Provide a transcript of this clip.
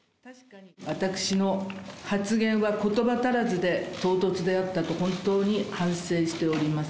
私の発言はことば足らずで唐突であったと、本当に反省しております。